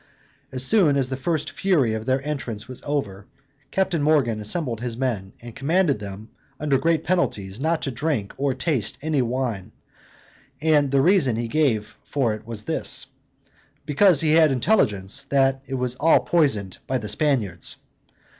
As soon as the first fury of their entrance was over, Captain Morgan assembled his men, and commanded them, under great penalties, not to drink or taste any wine; and the reason he gave for it was, because he had intelligence that it was all poisoned by the Spaniards.